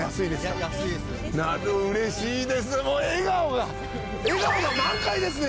うれしいですね